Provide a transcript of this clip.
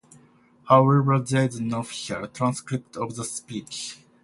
However, there is no official transcript of the speech.